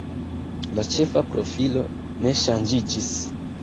La ĉefa profilo ne ŝanĝiĝis.